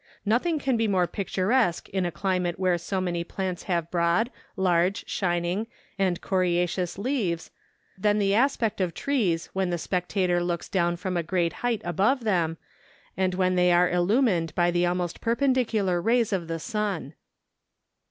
Nothing can be more picturesque in a climate where so many plants have broad, large, shining, and coriaceous leaves, than the aspect of THE SILLA OF CARACAS. 283 trees when the spectator looks down from a great height above them, and when they are illumined by the almost perpendicular rays of the sun.